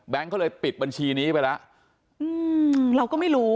เขาเลยปิดบัญชีนี้ไปแล้วอืมเราก็ไม่รู้